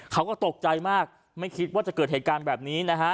เขาก็ตกใจมากไม่คิดว่าจะเกิดเหตุการณ์แบบนี้นะฮะ